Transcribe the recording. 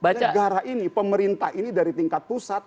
negara ini pemerintah ini dari tingkat pusat